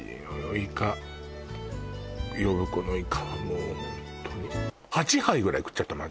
イカ呼子のイカはもうホントに８杯ぐらい食っちゃったもん